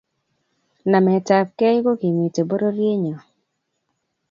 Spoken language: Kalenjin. Nametabkei kokimiti bororiet nyo